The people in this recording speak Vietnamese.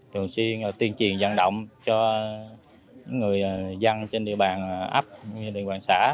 thường xuyên tuyên truyền dân động cho người dân trên địa bàn áp địa bàn xã